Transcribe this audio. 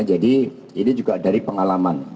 jadi ini juga dari pengalaman